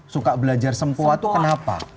suka belajar sempua itu kenapa